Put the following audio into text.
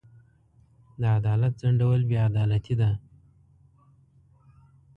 د عدالت ځنډول بې عدالتي ده.